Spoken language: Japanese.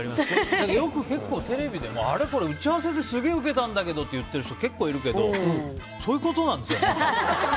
結構テレビでもあれ、これ打ち合わせですごい受けたんだけどって言ってる人結構いるけどそういうことなんですよね。